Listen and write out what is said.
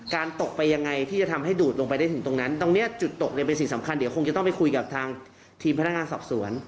เกี่ยวกับทางทีมพันธการสอบสวน